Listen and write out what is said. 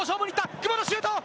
久保のシュート！